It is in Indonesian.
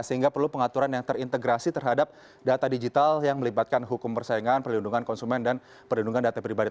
sehingga perlu pengaturan yang terintegrasi terhadap data digital yang melibatkan hukum persaingan perlindungan konsumen dan perlindungan data pribadi